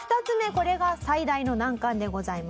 これが最大の難関でございます。